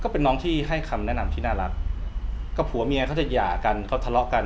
เป็นน้องที่ให้คำแนะนำที่น่ารักกับผัวเมียเขาจะหย่ากันเขาทะเลาะกัน